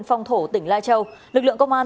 xin chào các bạn